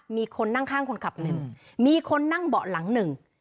มีคนนั่งข้างคนขับหนึ่งมีคนนั่งเบาะหลังหนึ่ง